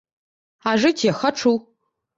А жыць я хачу.